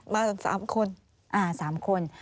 มาสามคน